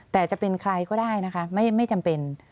แต่จะเป็นใครก็ได้นะคะไม่จำเป็น